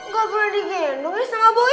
gak boleh digendung ya sama boy